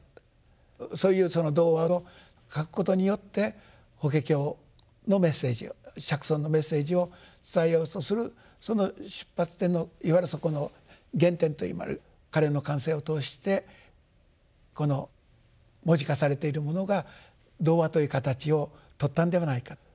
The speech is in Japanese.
そういうその童話を書くことによって「法華経」のメッセージを釈尊のメッセージを伝えようとするその出発点のいわゆるそこの原点となる彼の感性を通して文字化されているものが童話という形を取ったんではないかと。